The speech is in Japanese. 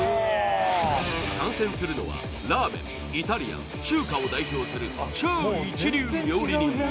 参戦するのは、ラーメン、イタリアン、中華を代表する超一流料理人。